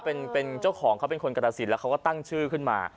เป็นเจ้าของเขาเป็นคนกรสินแล้วเขาก็ตั้งชื่อขึ้นมา